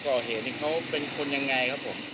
ก่อเหตุเขาเป็นคนยังไงครับผม